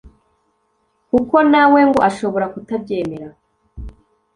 kuko nawe ngo ashobora kutabyemera